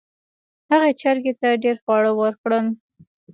هغې چرګې ته ډیر خواړه ورکړل.